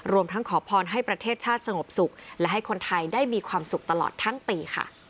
ทั้งขอพรให้ประเทศชาติสงบสุขและให้คนไทยได้มีความสุขตลอดทั้งปีค่ะ